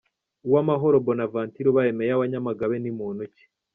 Uwamahoro Bonavanture ubaye Meya wa Nyamagabe ni muntu ki?.